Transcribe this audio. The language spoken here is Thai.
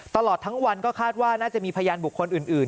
ตลอดทั้งวันก็คาดว่าน่าจะมีพยานบุคคลอื่น